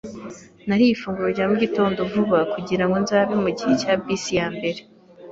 Nariye ifunguro rya mugitondo vuba kugirango nzabe mugihe cya bisi yambere.